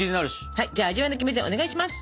はいじゃあ味わいのキメテお願いします。